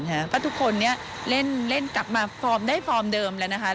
เพราะทุกคนเล่นกลับมาได้ฟอร์มเดิมแล้วนะครับ